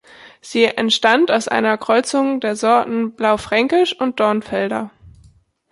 Sie entstand aus einer Kreuzung der Sorten Blaufränkisch und Dornfelder.